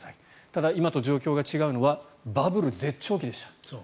ただ、今と状況が違うのはバブル絶頂期でした。